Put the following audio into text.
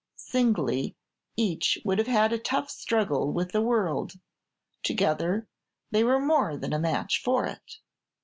Singly, each would have had a tough struggle with the world; together, they were more than a match for it.